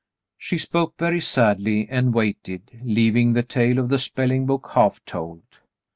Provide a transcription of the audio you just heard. She spoke very sadly and waited, leaving the tale of the spelling book half told.